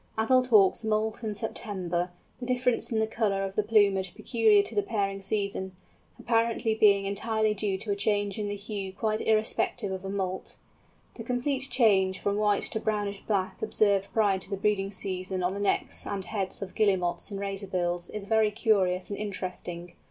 Adult Auks moult in September; the difference in the colour of the plumage peculiar to the pairing season, apparently being entirely due to a change in the hue quite irrespective of a moult. The complete change from white to brownish black observed prior to the breeding season on the necks and heads of Guillemots and Razorbills is very curious and interesting.